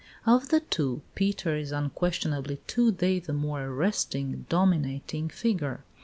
Of the two, Peter is unquestionably to day the more arresting, dominating figure.